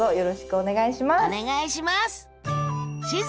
お願いします！